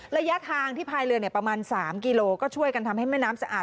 ระยะทางที่พายเรือประมาณ๓กิโลก็ช่วยกันทำให้แม่น้ำสะอาด